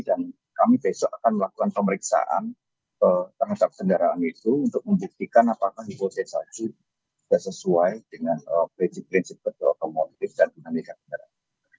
dan kami besok akan melakukan pemeriksaan terhadap kendaraan itu untuk membuktikan apakah hipotesa itu sudah sesuai dengan prinsip prinsip berikutnya otomotif dan teknologi kendaraan